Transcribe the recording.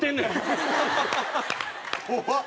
怖っ。